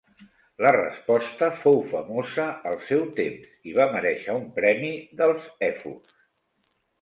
La resposta fou famosa al seu temps, i va merèixer un premi dels èfors.